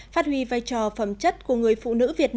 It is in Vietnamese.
phát huy vai trò phẩm chất của người phụ nữ việt nam